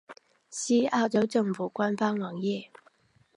西澳州政府官方网页